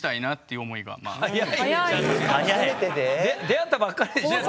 出会ったばっかりでしょ？